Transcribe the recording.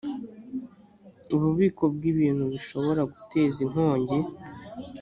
ububiko bw’ibintu bishobora guteza inkongi